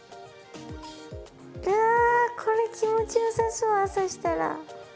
いやこれ気持ちよさそう朝したら。